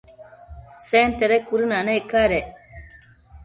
Sentede cuëdënanec cadec